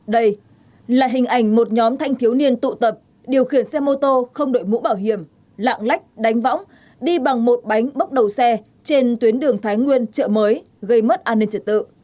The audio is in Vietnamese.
đây là hình ảnh một nhóm thanh thiếu niên tụ tập điều khiển xe mô tô không đội mũ bảo hiểm lạng lách đánh võng đi bằng một bánh bốc đầu xe trên tuyến đường thái nguyên chợ mới gây mất an ninh trật tự